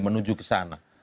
menuju ke sana